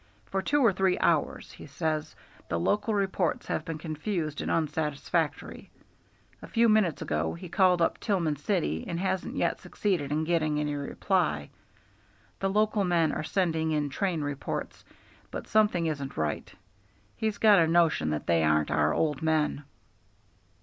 For two or three hours, he says, the local reports have been confused and unsatisfactory. A few minutes ago he called up Tillman City and hasn't yet succeeded in getting any reply. The local men are sending in train reports, but something isn't right. He's got a notion that they aren't our old men."